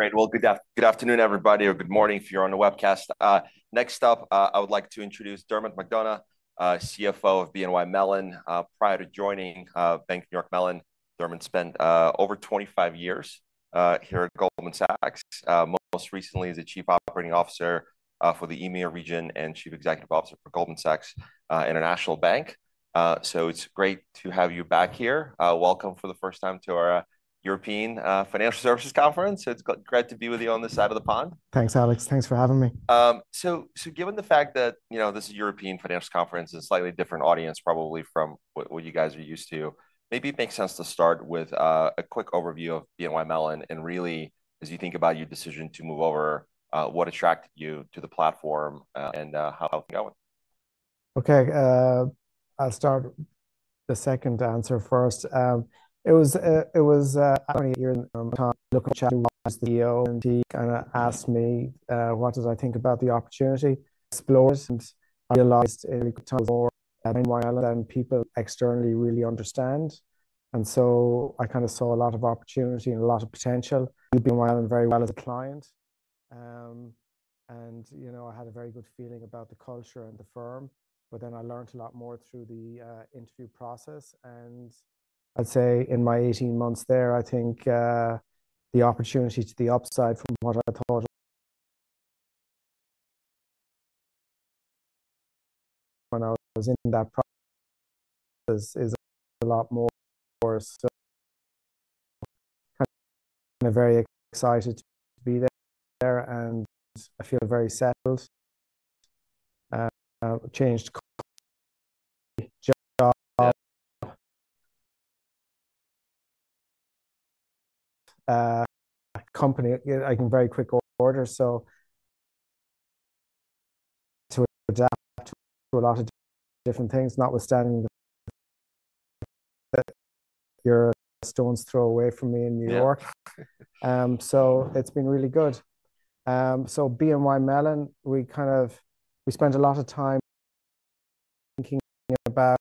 Great. Well, good afternoon, everybody, or good morning if you're on the webcast. Next up, I would like to introduce Dermot McDonagh, CFO of BNY Mellon. Prior to joining Bank of New York Mellon, Dermot spent over 25 years here at Goldman Sachs. Most recently as the Chief Operating Officer for the EMEA region and Chief Executive Officer for Goldman Sachs International Bank. So it's great to have you back here. Welcome for the first time to our European Financial Services Conference. It's great to be with you on this side of the pond. Thanks, Alex. Thanks for having me. So given the fact that, you know, this is a European financial conference and a slightly different audience probably from what, what you guys are used to, maybe it makes sense to start with a quick overview of BNY Mellon. And really, as you think about your decision to move over, what attracted you to the platform, and how's it going? Okay, I'll start with the second answer first. It was only a year in time, looking at the CEO, and he kinda asked me what did I think about the opportunity? Explored, and I realized it was time for, and then people externally really understand, and so I kind of saw a lot of opportunity and a lot of potential. We've been well and very well as a client. And, you know, I had a very good feeling about the culture and the firm, but then I learned a lot more through the interview process. And I'd say in my 18 months there, I think the opportunity to the upside from what I thought when I was in that process is a lot more for us. So I'm very excited to be there, and I feel very settled, changed job, company. I can very quick order, so to adapt to a lot of different things, notwithstanding that you're a stone's throw away from me in New York. So it's been really good. So BNY Mellon, we kind of we spent a lot of time thinking about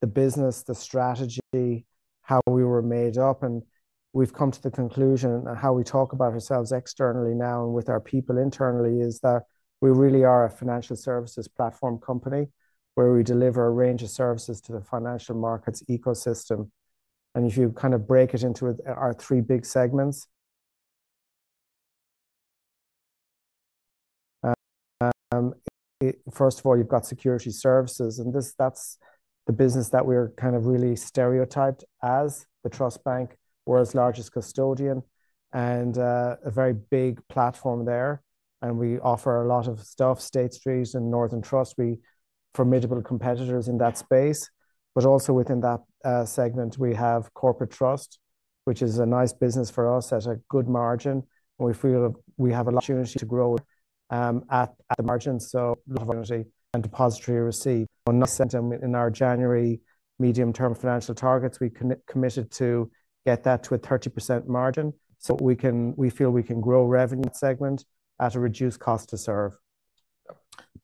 the business, the strategy, how we were made up, and we've come to the conclusion and how we talk about ourselves externally now and with our people internally, is that we really are a financial services platform company, where we deliver a range of services to the financial markets ecosystem. And if you kind of break it into our three big segments, first of all, you've got securities services, and that's the business that we're kind of really stereotyped as the trust bank. World's largest custodian and a very big platform there, and we offer a lot of stuff, State Street and Northern Trust, formidable competitors in that space. But also within that segment, we have Corporate Trust, which is a nice business for us at a good margin, and we feel we have a opportunity to grow at the margin, so opportunity and depositary receipt. In our January medium-term financial targets, we committed to get that to a 30% margin, so we can—we feel we can grow revenue segment at a reduced cost to serve.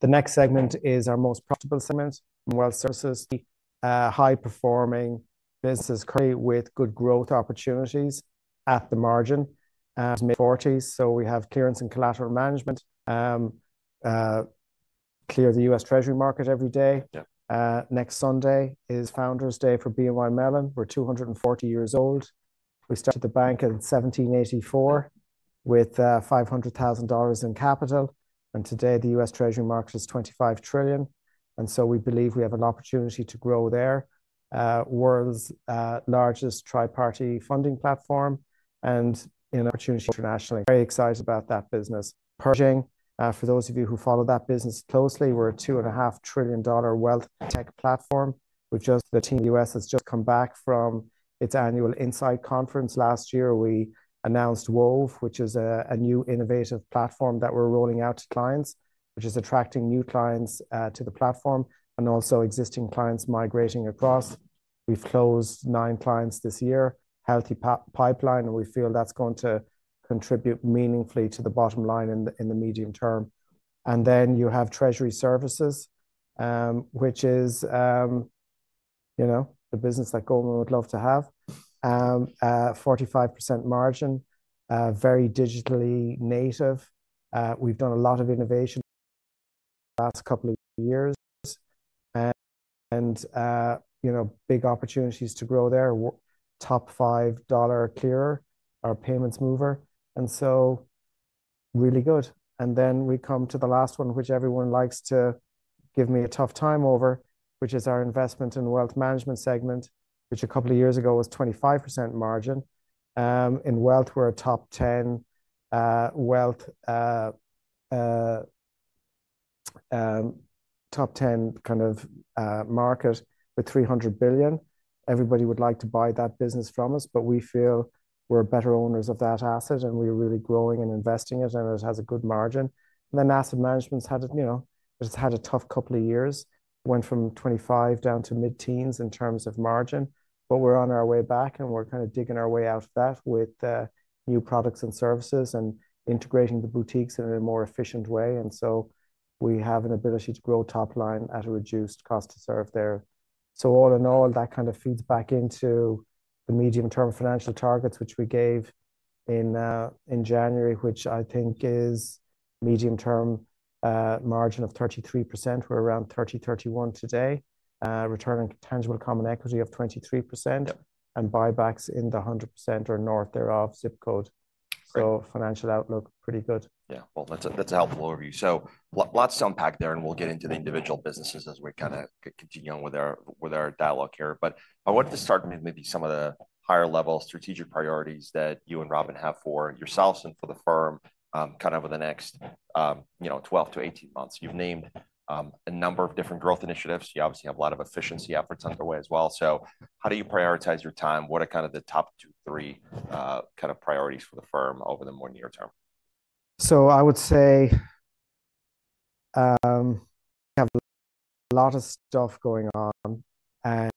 The next segment is our most profitable segment, Wealth Services, high-performing business with good growth opportunities at the margin, mid-forties. So we have Clearance and Collateral Management, clear the U.S. Treasury market every day. Next Sunday is Founders' Day for BNY Mellon. We're 240 years old. We started the bank in 1784 with $500,000 in capital, and today, the US Treasury market is $25 trillion, and so we believe we have an opportunity to grow there. World's largest triparty funding platform and an opportunity internationally. Very excited about that business. Pershing, for those of you who follow that business closely, we're a $2.5 trillion wealth tech platform, which just the team US has just come back from its annual INSITE conference. Last year, we announced Wove, which is a new innovative platform that we're rolling out to clients, which is attracting new clients to the platform and also existing clients migrating across. We've closed nine clients this year. Healthy pipeline, and we feel that's going to contribute meaningfully to the bottom line in the medium term. And then you have treasury services, which is, you know, the business that Goldman would love to have. Forty-five percent margin, very digitally native. We've done a lot of innovation the last couple of years and, you know, big opportunities to grow there. We're top five dollar clearer, our payments mover, and so really good. And then we come to the last one, which everyone likes to give me a tough time over, which is our investment in the wealth management segment, which a couple of years ago was twenty-five percent margin. In wealth, we're a top ten wealth top ten kind of market with $300 billion. Everybody would like to buy that business from us, but we feel we're better owners of that asset, and we're really growing and investing it, and it has a good margin. Then Asset Management's had, you know, it's had a tough couple of years. Went from 25 down to mid-teens in terms of margin, but we're on our way back, and we're kind of digging our way out of that with new products and services and integrating the boutiques in a more efficient way. So we have an ability to grow top line at a reduced cost to serve there. So all in all, that kind of feeds back into the medium-term financial targets, which we gave in January, which I think is medium-term margin of 33%. We're around 30, 31 today. Return on Tangible Common Equity of 23% and buybacks in the 100% or north thereof zip code. Financial outlook, pretty good. Yeah. Well, that's a, that's a helpful overview. So lots to unpack there, and we'll get into the individual businesses as we kinda continue on with our, with our dialogue here. But I wanted to start with maybe some of the higher-level strategic priorities that you and Robin have for yourselves and for the firm, kind of over the next, you know, 12-18 months. You've named a number of different growth initiatives. You obviously have a lot of efficiency efforts underway as well. So how do you prioritize your time? What are kind of the top two, three kind of priorities for the firm over the more near term? So I would say, we have a lot of stuff going on, and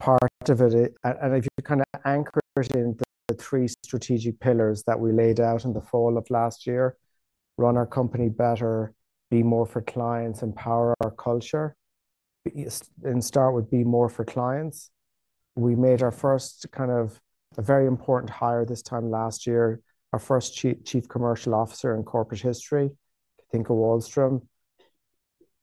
part of it and if you kind of anchor it in the three strategic pillars that we laid out in the fall of last year: run our company better, be more for clients, empower our culture. And start with be more for clients. We made our first kind of a very important hire this time last year, our first Chief Commercial Officer in corporate history, Cathinka Wahlstrom.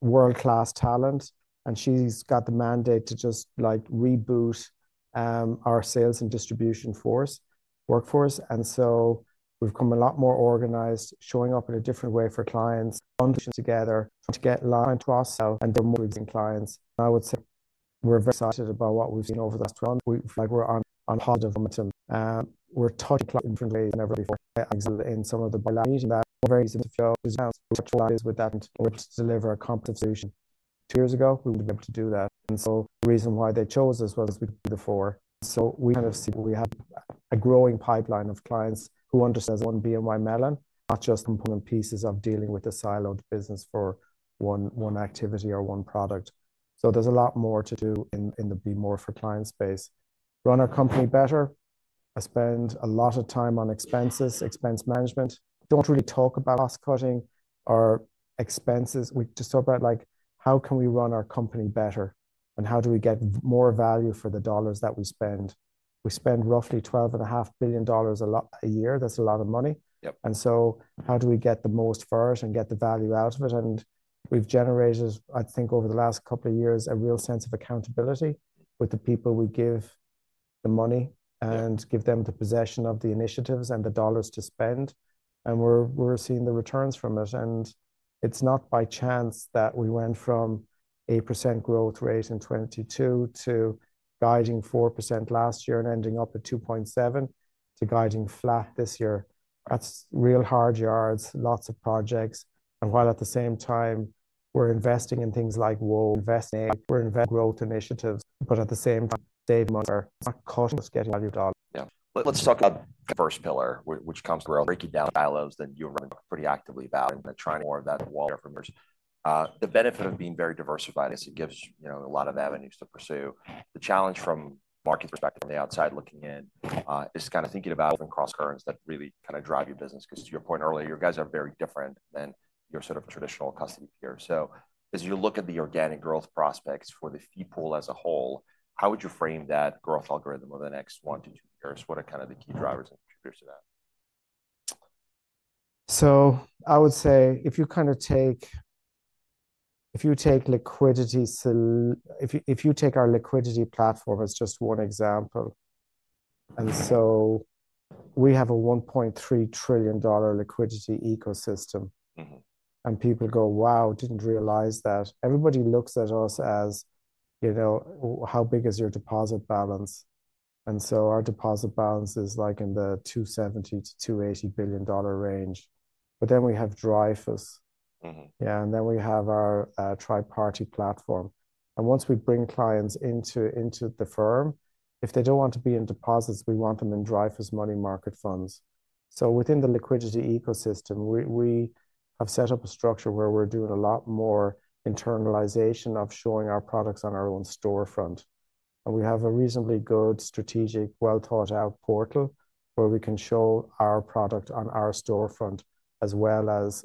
World-class talent, and she's got the mandate to just, like, reboot our sales and distribution force, workforce. And so we've become a lot more organized, showing up in a different way for clients, functions together to get aligned to ourselves and delivering clients. I would say we're very excited about what we've seen over the last round. We feel like we're on positive. We're talking in different ways than ever before. In some of the meetings that vary with that, which deliver a complete solution. two years ago, we wouldn't be able to do that. And so the reason why they chose us was before. So we kind of see we have a growing pipeline of clients who understand one BNY Mellon, not just component pieces of dealing with the siloed business for one, one activity or one product. So there's a lot more to do in, in the be more for client space. Run our company better. I spend a lot of time on expenses, expense management. Don't really talk about cost cutting or expenses. We just talk about, like, how can we run our company better, and how do we get more value for the dollars that we spend? We spend roughly $12.5 billion a year. That's a lot of money. And so how do we get the most for it and get the value out of it? And we've generated, I think, over the last couple of years, a real sense of accountability with the people we give the money and give them the possession of the initiatives and the dollars to spend, and we're seeing the returns from it. It's not by chance that we went from 1% growth rate in 2022 to guiding 4% last year and ending up at 2.7, to guiding flat this year. That's real hard yards, lots of projects. While at the same time, we're investing in things like Wove, investing in growth initiatives, but at the same time save money. It's not cutting, it's getting value for dollar. Yeah. Let's talk about the first pillar, which comes breaking down silos that you and Robin are pretty actively about and trying more of that wall from there. The benefit of being very diversified is it gives, you know, a lot of avenues to pursue. The challenge from market perspective, the outside looking in, is kind of thinking about from crosscurrents that really kind of drive your business, 'cause to your point earlier, you guys are very different than your sort of traditional custody peer. So as you look at the organic growth prospects for the fee pool as a whole, how would you frame that growth algorithm over the next one to two years? What are kind of the key drivers and contributors to that? So I would say, if you kind of take our liquidity platform as just one example, and so we have a $1.3 trillion liquidity ecosystem. People go, "Wow, didn't realize that." Everybody looks at us as, you know, "How big is your deposit balance?" And so our deposit balance is, like, in the $270 billion-$280 billion range. But then we have Dreyfus. Yeah, and then we have our triparty platform. And once we bring clients into the firm, if they don't want to be in deposits, we want them in Dreyfus money market funds. So within the liquidity ecosystem, we have set up a structure where we're doing a lot more internalization of showing our products on our own storefront. And we have a reasonably good strategic, well-thought-out portal, where we can show our product on our storefront as well as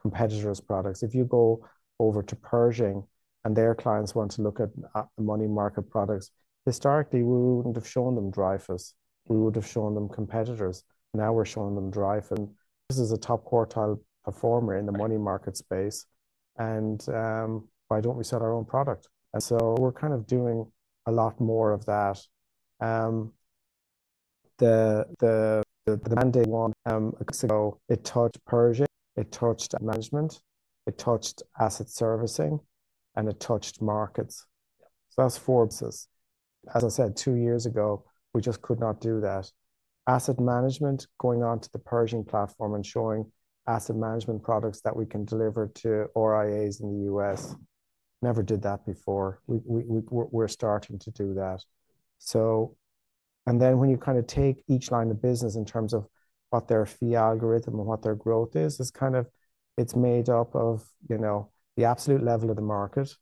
competitors' products. If you go over to Pershing and their clients want to look at the money market products, historically, we wouldn't have shown them Dreyfus. We would've shown them competitors. Now, we're showing them Dreyfus, and this is a top quartile performer in the money market space, and why don't we sell our own product? We're kind of doing a lot more of that. The mandate one ago, it touched Pershing, it touched management, it touched Asset Servicing, and it touched markets. So that's four businesses. As I said, two years ago, we just could not do that. Asset management going onto the Pershing platform and showing asset management products that we can deliver to RIAs in the U.S., never did that before. We're starting to do that. And then when you kind of take each line of business in terms of what their fee algorithm and what their growth is, it's kind of, it's made up of, you know, the absolute level of the market,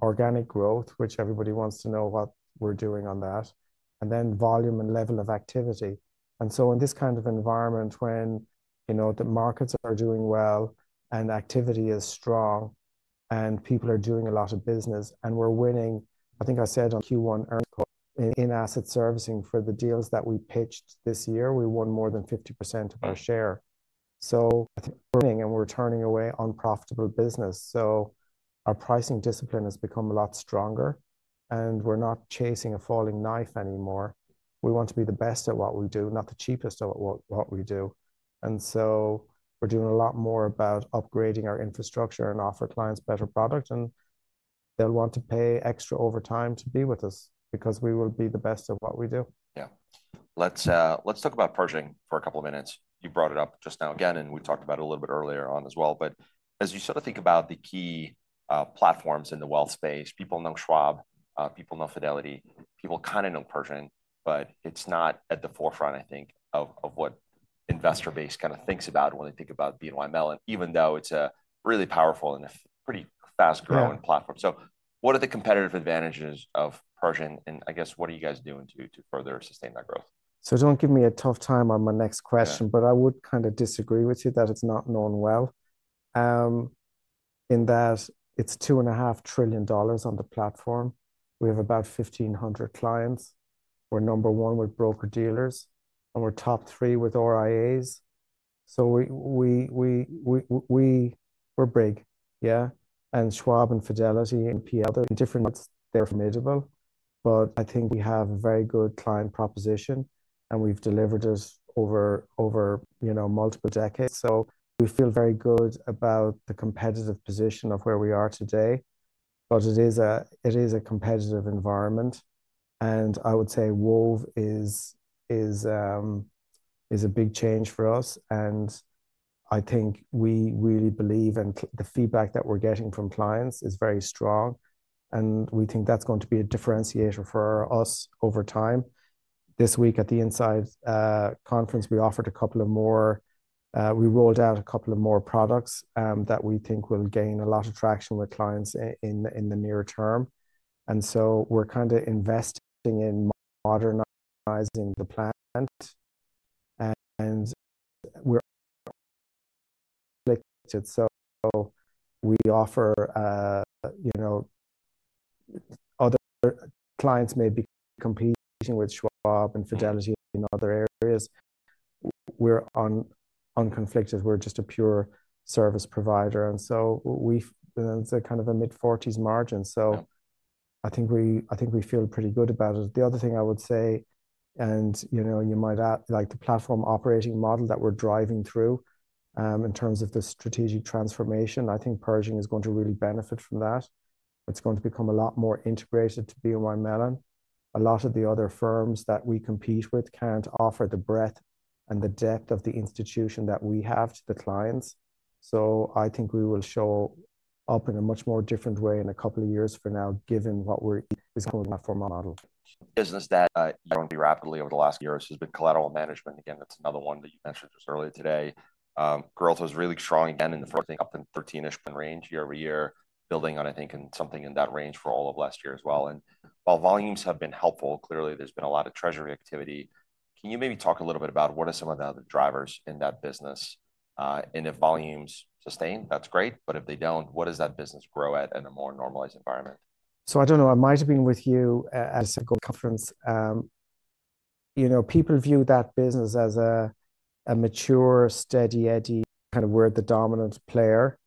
organic growth, which everybody wants to know what we're doing on that, and then volume and level of activity. In this kind of environment, when, you know, the markets are doing well and activity is strong, and people are doing a lot of business, and we're winning, I think I said on Q1 earnings call, in asset servicing for the deals that we pitched this year, we won more than 50% of our share. So I think we're winning, and we're turning away unprofitable business. So our pricing discipline has become a lot stronger, and we're not chasing a falling knife anymore. We want to be the best at what we do, not the cheapest at what, what we do. And so we're doing a lot more about upgrading our infrastructure and offer clients better product, and they'll want to pay extra over time to be with us because we will be the best at what we do. Yeah. Let's talk about Pershing for a couple of minutes. You brought it up just now again, and we talked about it a little bit earlier on as well. But as you sort of think about the key platforms in the wealth space, people know Schwab, people know Fidelity, people kind of know Pershing, but it's not at the forefront, I think, of what investor base kind of thinks about when they think about BNY Mellon, even though it's a really powerful and a pretty fast-growing platform. So what are the competitive advantages of Pershing? And I guess, what are you guys doing to further sustain that growth? Don't give me a tough time on my next question but I would kind of disagree with you that it's not known well. In that it's $2.5 trillion on the platform. We have about 1,500 clients. We're number one with broker-dealers, and we're top three with RIAs. So we're big, yeah. And Schwab, and Fidelity, and LPL, they're different, they're formidable, but I think we have a very good client proposition, and we've delivered it over, over, you know, multiple decades. So we feel very good about the competitive position of where we are today. But it is a competitive environment, and I would say Wove is a big change for us, and I think we really believe, the feedback that we're getting from clients is very strong, and we think that's going to be a differentiator for us over time. This week at the INSITE conference, we offered a couple of more, we rolled out a couple of more products that we think will gain a lot of traction with clients in the near term. And so we're kind of investing in modernizing the platform. So we offer, you know, other clients may be competing with Schwab and Fidelity in other areas. We're an unconflicted. We're just a pure service provider, and so we've. It's a kind of a mid-40s margin. So I think we, I think we feel pretty good about it. The other thing I would say, and, you know, you might add, like, the Platform Operating Model that we're driving through in terms of the strategic transformation. I think Pershing is going to really benefit from that. It's going to become a lot more integrated to BNY Mellon. A lot of the other firms that we compete with can't offer the breadth and the depth of the institution that we have to the clients, so I think we will show up in a much more different way in a couple of years from now, given what we're going for model. Business that growing rapidly over the last years has been collateral management. Again, that's another one that you mentioned just earlier today. Growth was really strong again in the first thing, up in 13%-ish range year-over-year, building on, I think, in something in that range for all of last year as well. And while volumes have been helpful, clearly there's been a lot of treasury activity. Can you maybe talk a little bit about what are some of the other drivers in that business? And if volumes sustain, that's great, but if they don't, what does that business grow at in a more normalized environment? So I don't know, I might have been with you at a conference. You know, people view that business as a mature, steady eddy, kind of we're the dominant player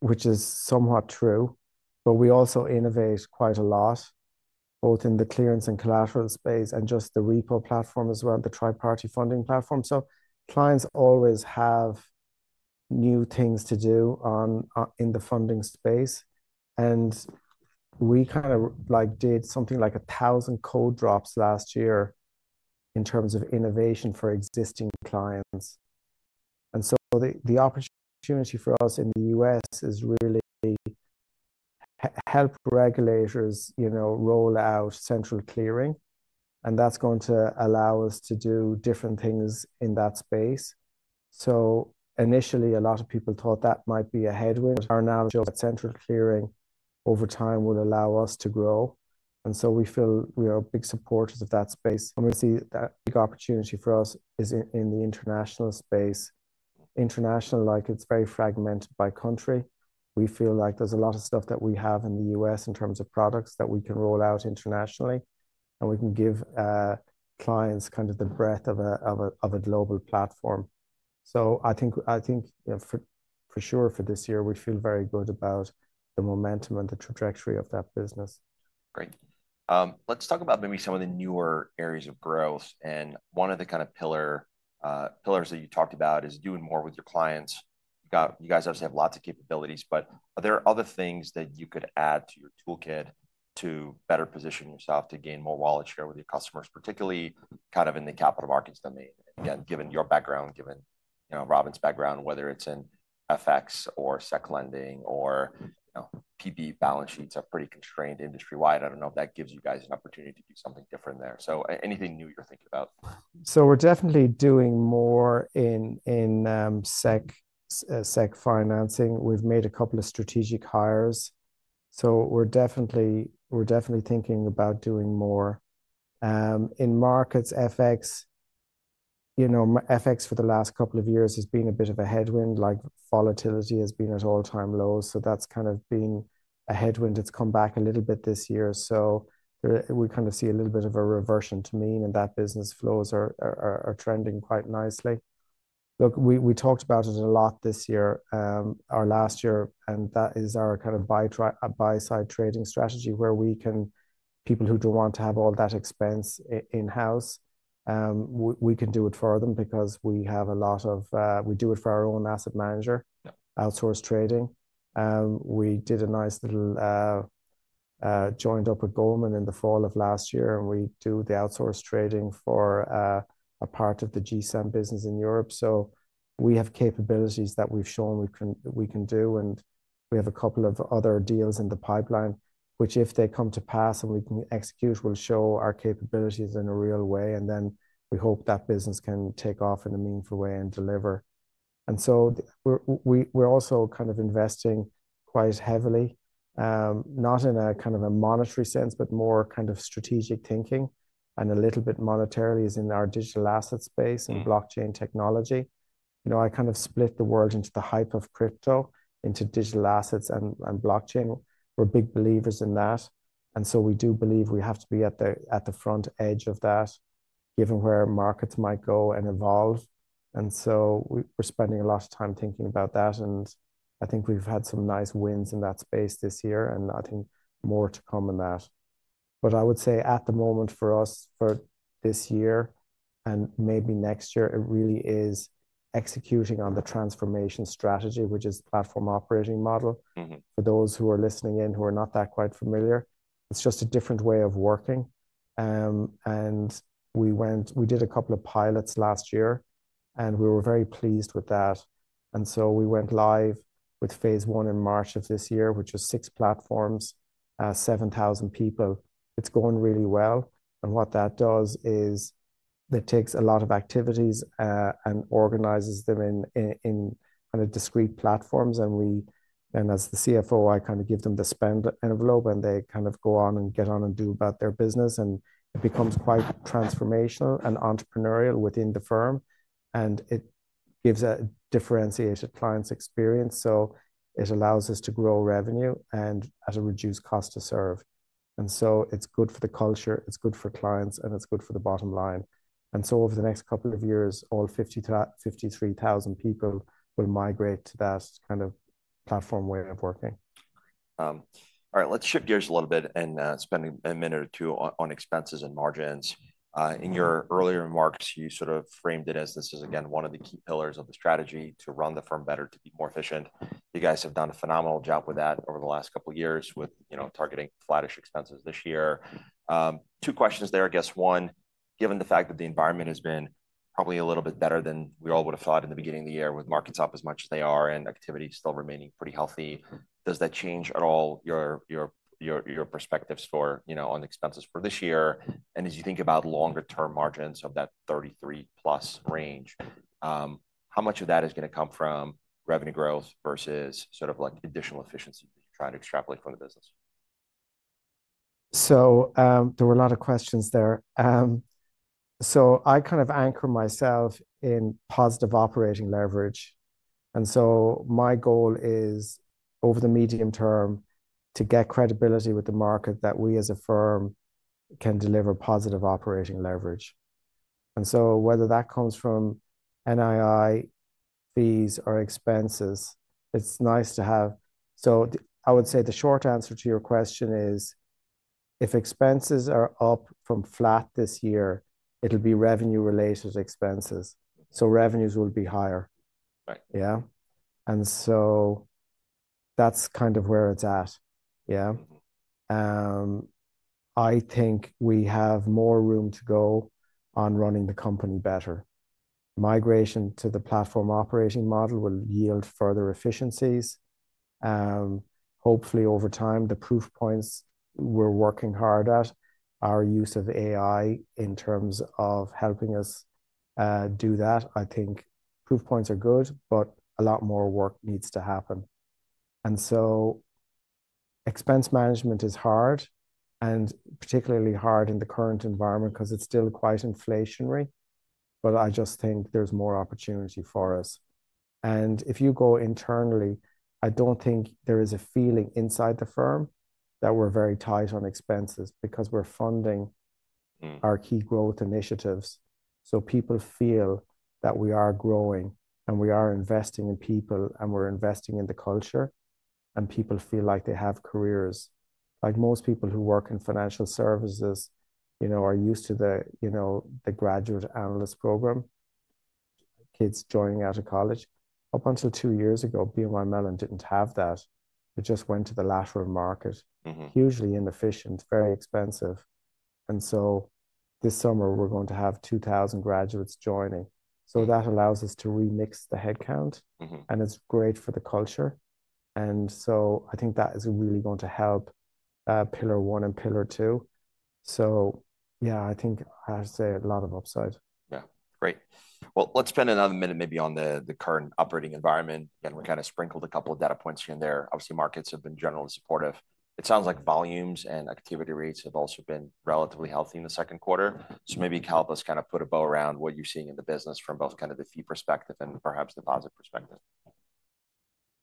which is somewhat true, but we also innovate quite a lot, both in the clearance and collateral space and just the repo platform as well, the triparty funding platform. So clients always have new things to do on in the funding space, and we kind of, like, did something like 1,000 code drops last year in terms of innovation for existing clients. And so the opportunity for us in the U.S. is really help regulators, you know, roll out central clearing, and that's going to allow us to do different things in that space. So initially, a lot of people thought that might be a headwind, but now just central clearing over time will allow us to grow, and so we feel we are big supporters of that space. And we see that big opportunity for us is in the international space. International, like, it's very fragmented by country. We feel like there's a lot of stuff that we have in the US in terms of products that we can roll out internationally, and we can give clients kind of the breadth of a global platform. So I think, you know, for sure, for this year, we feel very good about the momentum and the trajectory of that business. Great. Let's talk about maybe some of the newer areas of growth, and one of the kind of pillar, pillars that you talked about is doing more with your clients. You guys obviously have lots of capabilities, but are there other things that you could add to your toolkit to better position yourself to gain more wallet share with your customers, particularly kind of in the capital markets domain? Again, given your background, given, you know, Robin's background, whether it's in FX, or sec lending, or, you know, PB balance sheets are pretty constrained industry-wide. I don't know if that gives you guys an opportunity to do something different there. So anything new you're thinking about? So we're definitely doing more in securities financing. We've made a couple of strategic hires, so we're definitely thinking about doing more. In markets, FX, you know, FX for the last couple of years has been a bit of a headwind, like volatility has been at all-time lows, so that's kind of been a headwind. It's come back a little bit this year, so we kind of see a little bit of a reversion to mean, and that business flows are trending quite nicely. Look, we, we talked about it a lot this year, or last year, and that is our kind of buy-side trading strategy, where we can—people who don't want to have all that expense in-house, we can do it for them because we have a lot of, we do it for our own asset manager outsource trading. We did a nice little joined up with Goldman in the fall of last year, and we do the outsource trading for a part of the GSAM business in Europe. So we have capabilities that we've shown we can do, and we have a couple of other deals in the pipeline, which, if they come to pass and we can execute, will show our capabilities in a real way, and then we hope that business can take off in a meaningful way and deliver. And so we're also kind of investing quite heavily, not in a kind of a monetary sense, but more kind of strategic thinking, and a little bit monetarily is in our digital asset space and blockchain technology. You know, I kind of split the world into the hype of crypto, into digital assets and blockchain. We're big believers in that, and so we do believe we have to be at the front edge of that, given where markets might go and evolve. And so we're spending a lot of time thinking about that, and I think we've had some nice wins in that space this year, and I think more to come in that. But I would say at the moment, for us, for this year and maybe next year, it really is executing on the transformation strategy, which is the platform operating model. For those who are listening in who are not quite familiar, it's just a different way of working. And we did a couple of pilots last year, and we were very pleased with that, and so we went live with phase one in March of this year, which was 6 platforms, 7,000 people. It's going really well, and what that does is, it takes a lot of activities, and organizes them in, in, in kind of discrete platforms. And as the CFO, I kind of give them the spend envelope, and they kind of go on and get on and do about their business, and it becomes quite transformational and entrepreneurial within the firm, and it gives a differentiated client experience. So it allows us to grow revenue and at a reduced cost to serve. And so it's good for the culture, it's good for clients, and it's good for the bottom line. And so over the next couple of years, all 53,000 people will migrate to that kind of platform way of working. All right, let's shift gears a little bit and spend a minute or two on expenses and margins. In your earlier remarks, you sort of framed it as this is, again, one of the key pillars of the strategy to run the firm better, to be more efficient. You guys have done a phenomenal job with that over the last couple of years with, you know, targeting flattish expenses this year. Two questions there. I guess, one, given the fact that the environment has been probably a little bit better than we all would've thought in the beginning of the year, with markets up as much as they are and activity still remaining pretty healthy does that change at all your perspectives for, you know, on expenses for this year? And as you think about longer-term margins of that 33+ range, how much of that is gonna come from revenue growth versus sort of like additional efficiency that you're trying to extrapolate from the business? So, there were a lot of questions there. So I kind of anchor myself in positive operating leverage, and so my goal is, over the medium term, to get credibility with the market that we, as a firm, can deliver positive operating leverage. And so whether that comes from NII fees or expenses, it's nice to have. So the—I would say, the short answer to your question is, if expenses are up from flat this year, it'll be revenue-related expenses, so revenues will be higher. Yeah. And so that's kind of where it's at, yeah. I think we have more room to go on running the company better. Migration to the platform operating model will yield further efficiencies. Hopefully, over time, the proof points we're working hard at, our use of AI in terms of helping us do that, I think proof points are good, but a lot more work needs to happen. And so expense management is hard, and particularly hard in the current environment, 'cause it's still quite inflationary, but I just think there's more opportunity for us. And if you go internally, I don't think there is a feeling inside the firm that we're very tight on expenses, because we're funding our key growth initiatives. So people feel that we are growing, and we are investing in people, and we're investing in the culture, and people feel like they have careers. Like, most people who work in financial services, you know, are used to the, you know, the graduate analyst program, kids joining out of college. Up until two years ago, BNY Mellon didn't have that. It just went to the lateral market. Hugely inefficient, very expensive. And so this summer, we're going to have 2,000 graduates joining so that allows us to remix the headcount. It's great for the culture, and so I think that is really going to help pillar one and pillar two. So yeah, I think I would say a lot of upside. Yeah. Great. Well, let's spend another minute maybe on the current operating environment. Again, we kinda sprinkled a couple of data points here and there. Obviously, markets have been generally supportive. It sounds like volumes and activity rates have also been relatively healthy in the second quarter. Maybe help us kinda put a bow around what you're seeing in the business from both kind of the fee perspective and perhaps deposit perspective.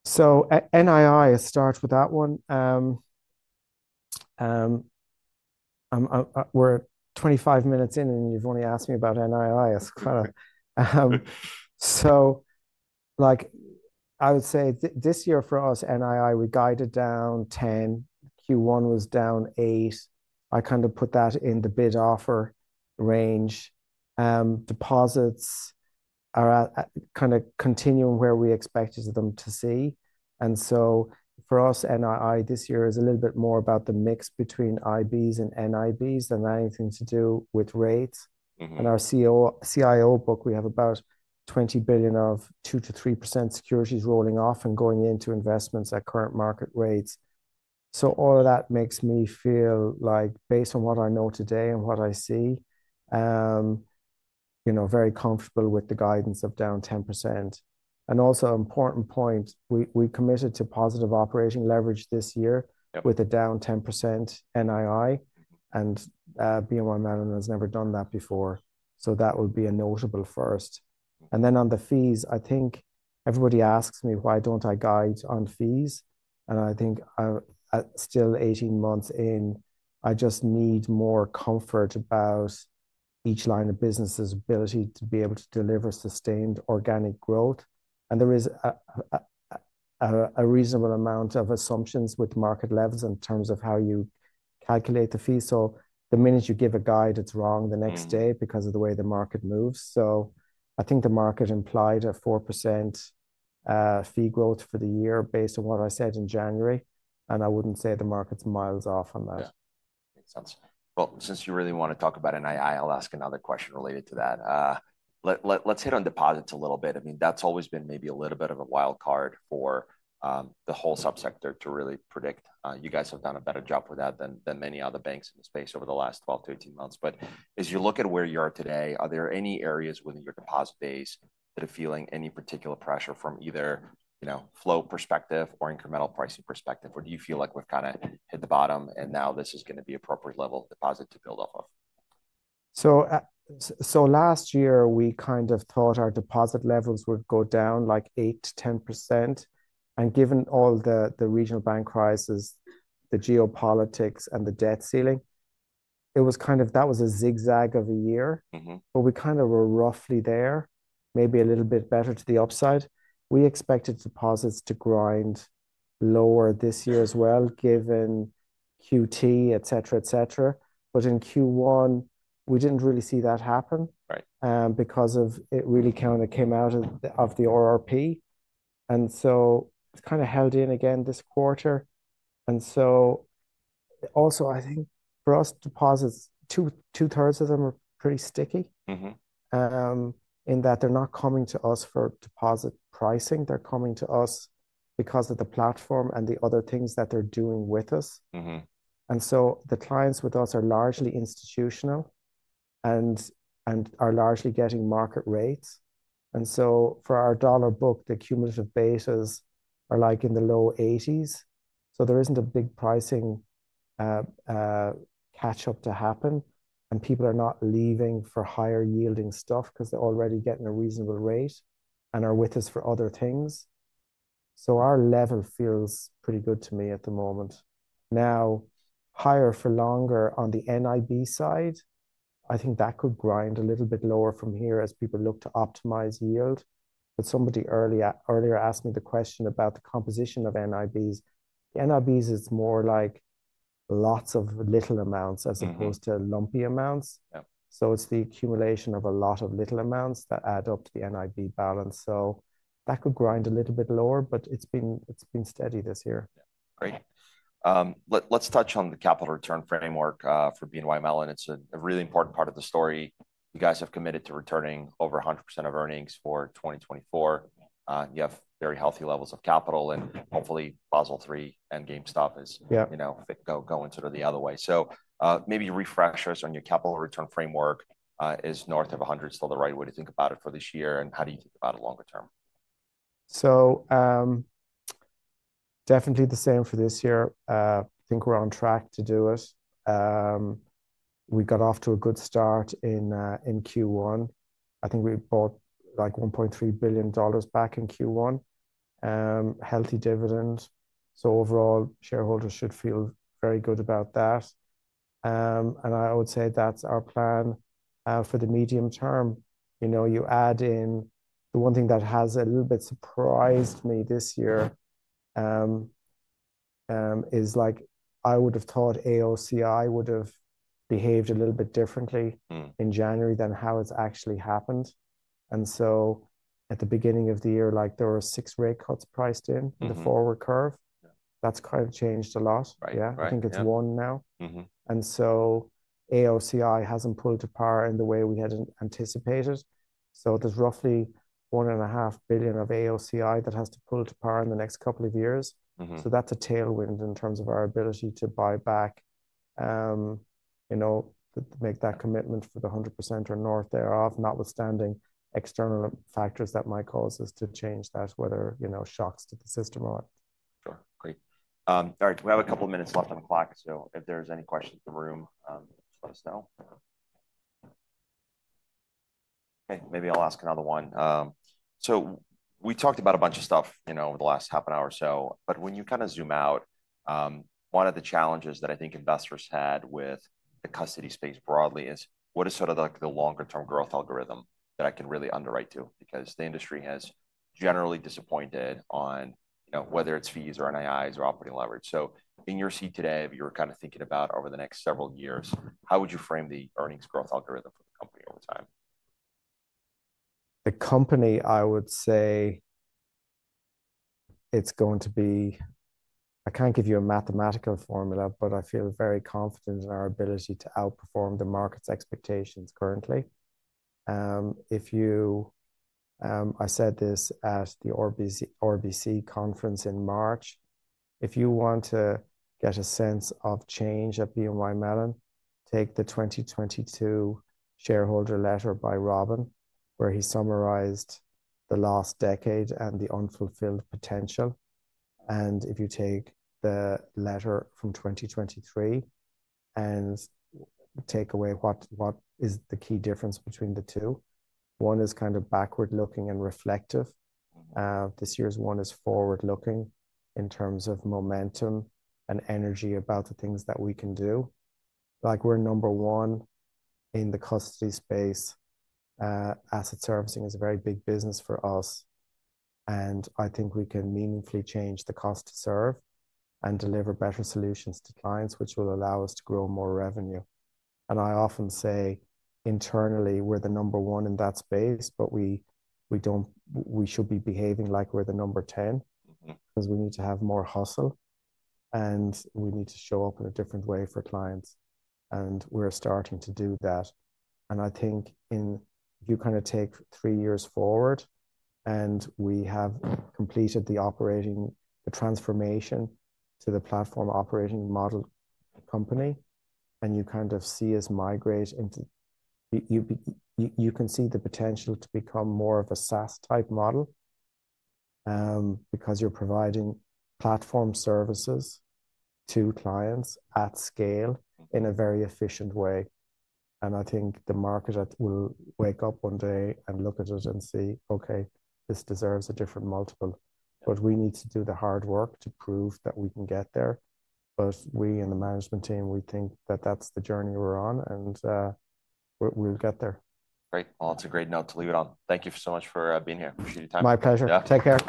So, NII, let's start with that one. We're 25 minutes in, and you've only asked me about NII. It's kinda... So, like, I would say this year for us, NII, we guided down 10, Q1 was down eight. I kind of put that in the bid offer range. Deposits are at, kinda continuing where we expected them to see. And so for us, NII, this year, is a little bit more about the mix between IBs and NIBs than anything to do with rates. In our CIO book, we have about $20 billion of 2%-3% securities rolling off and going into investments at current market rates. So all of that makes me feel like, based on what I know today and what I see, you know, very comfortable with the guidance of down 10%. And also important point, we, we committed to positive operating leverage this year with a down 10% NII, and BNY Mellon has never done that before, so that would be a notable first. And then on the fees, I think everybody asks me why don't I guide on fees, and I think I still 18 months in, I just need more comfort about each line of business's ability to be able to deliver sustained organic growth. And there is a reasonable amount of assumptions with market levels in terms of how you calculate the fee. So the minute you give a guide, it's wrong the next day because of the way the market moves. So I think the market implied a 4%, fee growth for the year based on what I said in January, and I wouldn't say the market's miles off on that. Yeah. Makes sense. Well, since you really wanna talk about NII, I'll ask another question related to that. Let's hit on deposits a little bit. I mean, that's always been maybe a little bit of a wild card for the whole sub-sector to really predict. You guys have done a better job with that than many other banks in the space over the last 12-18 months. But as you look at where you are today, are there any areas within your deposit base that are feeling any particular pressure from either, you know, flow perspective or incremental pricing perspective? Or do you feel like we've kinda hit the bottom, and now this is gonna be appropriate level of deposit to build off of? So, last year, we kind of thought our deposit levels would go down, like, 8%-10%, and given all the regional bank crisis, the geopolitics, and the debt ceiling, it was kind of, that was a zigzag of a year. But we kind of were roughly there, maybe a little bit better to the upside. We expected deposits to grind lower this year as well, given QT, et cetera, et cetera. But in Q1, we didn't really see that happen because it really kinda came out of the RRP, and so it's kinda held in again this quarter. And so also, I think for us, deposits, two-thirds of them are pretty sticky. In that they're not coming to us for deposit pricing, they're coming to us because of the platform and the other things that they're doing with us. The clients with us are largely institutional and are largely getting market rates. So for our dollar book, the cumulative betas are, like, in the low 80s, so there isn't a big pricing catch-up to happen, and people are not leaving for higher yielding stuff, 'cause they're already getting a reasonable rate and are with us for other things. So our level feels pretty good to me at the moment. Now, higher for longer on the NIB side, I think that could grind a little bit lower from here as people look to optimize yield. But somebody earlier asked me the question about the composition of NIBs. NIBs is more like lots of little amounts as opposed to lumpy amounts. So it's the accumulation of a lot of little amounts that add up to the NIB balance. So that could grind a little bit lower, but it's been, it's been steady this year. Yeah. Great. Let's touch on the capital return framework for BNY Mellon. It's a really important part of the story. You guys have committed to returning over 100% of earnings for 2024. You have very healthy levels of capital, and hopefully, Basel III and Endgame is you know, going sort of the other way. So, maybe refresh us on your capital return framework. Is north of 100 still the right way to think about it for this year, and how do you think about it longer term? So, definitely the same for this year. I think we're on track to do it. We got off to a good start in Q1. I think we bought, like, $1.3 billion back in Q1. Healthy dividend. So overall, shareholders should feel very good about that. And I would say that's our plan for the medium term. You know, you add in the one thing that has a little bit surprised me this year is, like, I would've thought AOCI would've behaved a little bit differently in January than how it's actually happened. And so at the beginning of the year, like, there were six rate cuts priced in the forward curve. That's kind of changed a lot. Right. Yeah. Right. Yeah. I think it's one now. AOCI hasn't pulled to par in the way we had anticipated. So there's roughly $1.5 billion of AOCI that has to pull to par in the next couple of years. So that's a tailwind in terms of our ability to buy back, you know, make that commitment for 100% or north thereof, notwithstanding external factors that might cause us to change that, whether, you know, shocks to the system or not. Sure. Great. All right, we have a couple minutes left on the clock, so if there's any questions in the room, let us know. Okay, maybe I'll ask another one. So we talked about a bunch of stuff, you know, over the last half an hour or so, but when you kinda zoom out, one of the challenges that I think investors had with the custody space broadly is, what is sort of like the longer term growth algorithm that I can really underwrite to? Because the industry has generally disappointed on, you know, whether it's fees or NIIs or operating leverage. So in your seat today, if you were kinda thinking about over the next several years, how would you frame the earnings growth algorithm for the company over time? The company, I would say, it's going to be, I can't give you a mathematical formula, but I feel very confident in our ability to outperform the market's expectations currently. If you, I said this at the RBC, RBC conference in March, if you want to get a sense of change at BNY Mellon, take the 2022 shareholder letter by Robin, where he summarized the last decade and the unfulfilled potential, and if you take the letter from 2023 and take away what, what is the key difference between the two? One is kind of backward-looking and reflective. This year's one is forward-looking in terms of momentum and energy about the things that we can do. Like, we're number one in the custody space. Asset servicing is a very big business for us, and I think we can meaningfully change the cost to serve and deliver better solutions to clients, which will allow us to grow more revenue. And I often say internally, we're the number one in that space, but we should be behaving like we're the number 10. 'Cause we need to have more hustle, and we need to show up in a different way for clients, and we're starting to do that. And I think in... If you kinda take three years forward, and we have completed the transformation to the platform operating model company, and you kind of see us migrate into... You can see the potential to become more of a SaaS-type model, because you're providing platform services to clients at scale in a very efficient way. And I think the market will wake up one day and look at us and say, "Okay, this deserves a different multiple." But we need to do the hard work to prove that we can get there. But we, in the management team, think that that's the journey we're on, and we'll get there. Great. Well, it's a great note to leave it on. Thank you so much for being here. Appreciate your time. My pleasure. Yeah. Take care.